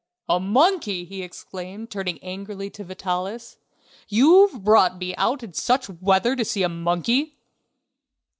"A monkey!" he exclaimed, turning angrily to Vitalis. "You've brought me out in such weather to see a monkey!..."